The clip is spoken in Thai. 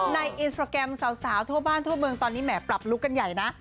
อินสตราแกรมสาวทั่วบ้านทั่วเมืองตอนนี้แหมปรับลุคกันใหญ่นะ